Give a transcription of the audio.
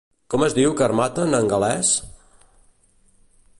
Com es diu Carmarthen en gal·lès?